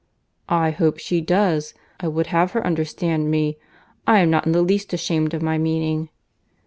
"I hope she does. I would have her understand me. I am not in the least ashamed of my meaning."